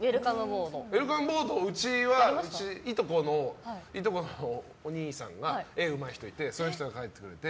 ウェルカムボード、うちはいとこのお兄さんが絵うまい人がいてその人が描いてくれて。